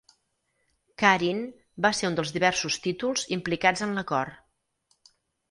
"Karin" va ser un dels diversos títols implicats en l'acord.